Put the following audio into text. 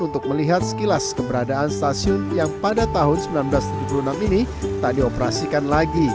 untuk melihat sekilas keberadaan stasiun yang pada tahun seribu sembilan ratus tujuh puluh enam ini tak dioperasikan lagi